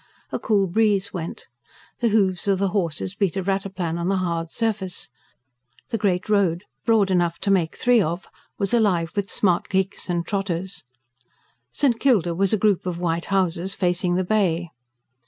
A cool breeze went; the hoofs of the horses beat a rataplan on the hard surface; the great road, broad enough to make three of, was alive with smart gigs and trotters. St. Kilda was a group of white houses facing the Bay.